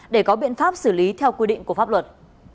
để có biện pháp xử lý theo quy định của pháp luật